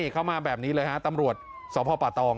เข้ามาแบบนี้เลยฮะตำรวจสพป่าตอง